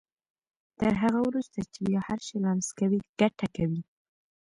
تر هغه وروسته چې بيا هر شی لمس کوئ ګټه کوي.